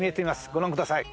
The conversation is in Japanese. ご覧ください